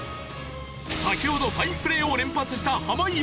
先ほどファインプレーを連発した濱家